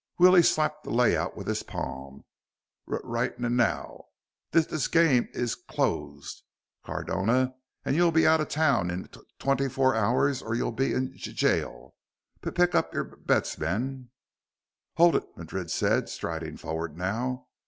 Willie slapped the layout with his palm. "R right n now! This g game is closed, Cardona. And you'll be out of town in t twenty four hours or you'll be in j jail. P pick up your b b bets, men." "Hold it!" Madrid said, striding forward now.